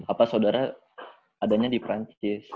apa saudara adanya di prancis